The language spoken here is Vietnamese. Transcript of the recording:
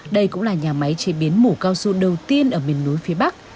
đây cũng là nhà máy chế biến mủ cao su đầu tiên ở miền núi phía bắc